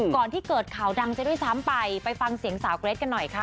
ก่อนที่เกิดข่าวดังจะด้วยซ้ำไปไปฟังเสียงสาวเกรทกันหน่อยค่ะ